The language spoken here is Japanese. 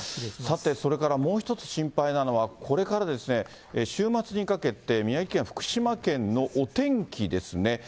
さて、それからもう一つ心配なのは、これからですね、週末にかけて、宮城県や福島県のお天気ですね。